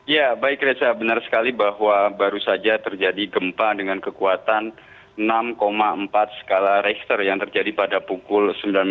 ya baik reza benar sekali bahwa baru saja terjadi gempa dengan kekuatan enam empat skala rechter yang terjadi pada pukul sembilan belas